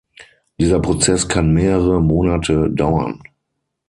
Dieser Prozess kann mehrere Monate dauern.